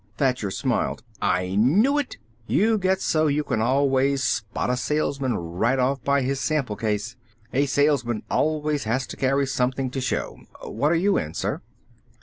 Thacher smiled. "I knew it! You get so you can always spot a salesman right off by his sample case. A salesman always has to carry something to show. What are you in, sir?"